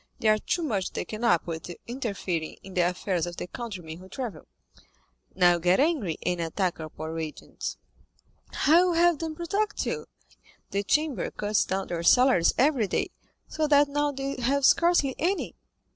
They are too much taken up with interfering in the affairs of their countrymen who travel." "Now you get angry, and attack our poor agents. How will you have them protect you? The Chamber cuts down their salaries every day, so that now they have scarcely any.